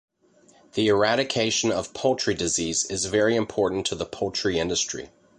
The eradication of poultry disease is very important to the poultry industry.